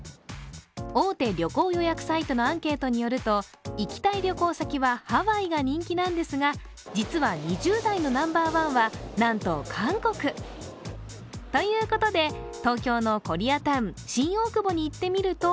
大手旅行予約サイトのアンケートによると行きたい旅行先は、ハワイが人気なんですが、実は２０代のナンバーワンはなんと韓国。ということで、東京のコリアタウン新大久保に行ってみると